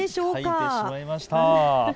はい、描いてしまいました。